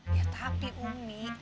ya tapi umi